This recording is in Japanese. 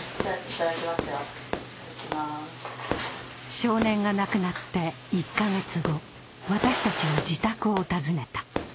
少年が亡くなって１か月後、私たちは自宅を訪ねた。